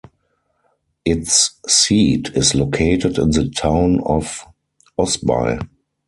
Its seat is located in the town of Osby.